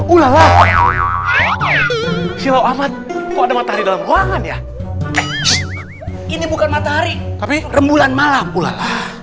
ulah silau amat kok ada matahari dalam ruangan ya ini bukan matahari tapi rembulan malam ulat